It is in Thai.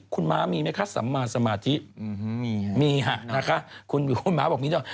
คุณม้ามีไหมคะสัมมาสมาธิมีค่ะนะคะคุณม้าบอกมีหน่อย